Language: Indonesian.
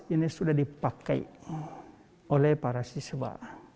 dua ribu delapan belas ini sudah dipakai oleh para siswa